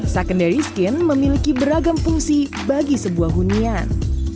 secondary skin memiliki beragam fungsi bagi sebuah hunian